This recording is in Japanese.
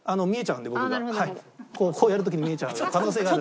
こうやる時に見えちゃう可能性がある。